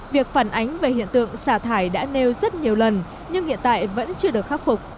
việc phản ánh về hiện tượng xả thải đã nêu rất nhiều lần nhưng hiện tại vẫn chưa được khắc phục